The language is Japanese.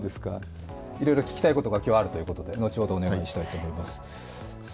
いろいろ聞きたいことが今日あるということで後ほどお願いいたします。